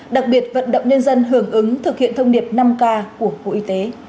đặc biệt vận động nhân dân hưởng ứng thực hiện thông điệp năm k của bộ y tế